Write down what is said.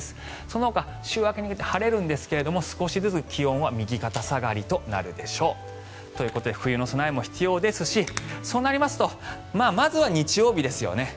そのほか週明けにかけて晴れるんですが少しずつ気温は右肩下がりとなるでしょう。ということで冬の備えも必要ですしそうなりますとまずは日曜日ですよね